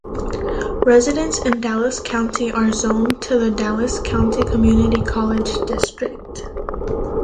Residents in Dallas County are zoned to the Dallas County Community College District.